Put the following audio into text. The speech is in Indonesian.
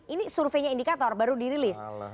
ini surveinya indikator baru dirilis